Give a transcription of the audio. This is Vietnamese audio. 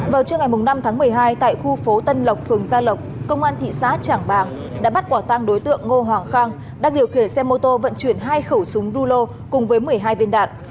vào trưa ngày năm tháng một mươi hai tại khu phố tân lộc phường gia lộc công an thị xã trảng bàng đã bắt quả tăng đối tượng ngô hoàng khang đang điều khiển xe mô tô vận chuyển hai khẩu súng rulo cùng với một mươi hai viên đạn